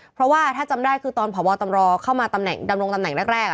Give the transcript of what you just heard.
เพราะว่าถ้าจำได้คือตอนพบตรเข้ามาตำรงตำแหน่งแรก